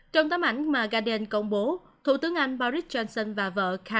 trong tấm ảnh mà guardian công bố thủ tướng anh boris johnson và vợ carrie johnson